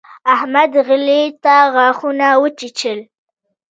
احمد، علي ته غاښونه وچيچل.